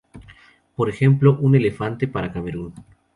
Por ejemplo, un elefante para Camerún.